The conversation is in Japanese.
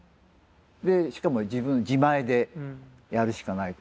しかも自分自前でやるしかない。